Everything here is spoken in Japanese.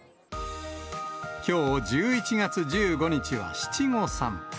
きょう１１月１５日は七五三。